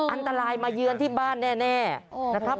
อันตรายมาเยือนที่บ้านแน่นะครับ